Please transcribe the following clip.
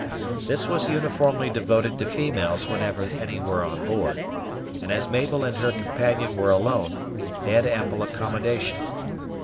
This was uniformly devoted to females whenever any were on board; and as Mabel and her companion were alone, they had ample accommodation.